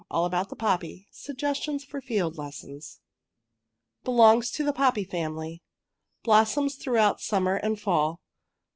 ALL ABOUT THE POPPY SUGGESTIONS FOR FIELD LESSONS Belongs to poppy family. Blossoms throughout summer and fall.